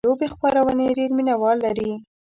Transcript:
د لوبو خپرونې ډېر مینهوال لري.